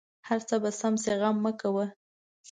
هر څه به سم شې غم مه کوه